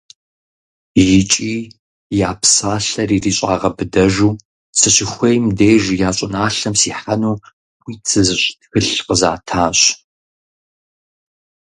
ИкӀи я псалъэр ирищӀагъэбыдэжу, сыщыхуейм деж я щӀыналъэм сихьэну хуит сызыщӀ тхылъ къызатащ.